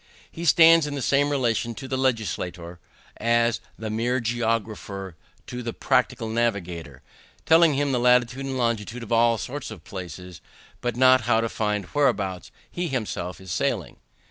He stands in the same relation to the legislator, as the mere geographer to the practical navigator; telling him the latitude and longitude of all sorts of places, but not how to find whereabouts he himself is sailing.